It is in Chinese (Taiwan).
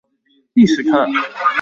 歷史課